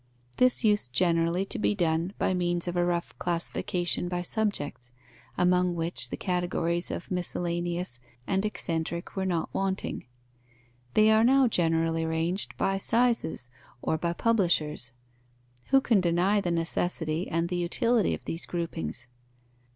This used generally to be done by means of a rough classification by subjects (among which the categories of miscellaneous and eccentric were not wanting); they are now generally arranged by sizes or by publishers. Who can deny the necessity and the utility of these groupings?